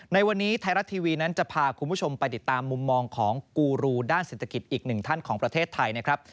ในวันนี้ไทยรัฐทีวีนั้นจะพาคุณผู้ชมไปติดตามมุมมองของกูรูด้านเศรษฐกิจอีกหนึ่งท่านของประเทศไทยนะครับ